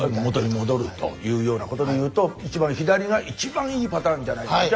元に戻るというようなことで言うといちばん左がいちばんいいパターンじゃないか。